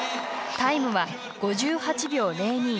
タイムは５８秒０２。